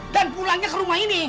dan pulangnya ke rumah ini